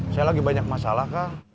saya lagi banyak masalah kah